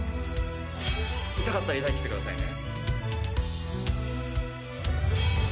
痛かったら痛いって言って下さいね。